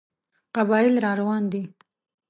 قبایل را روان دي.